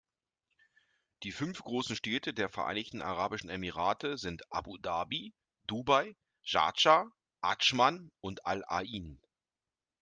Die fünf großen Städte der Vereinigten Arabischen Emirate sind Abu Dhabi, Dubai, Schardscha, Adschman und Al-Ain.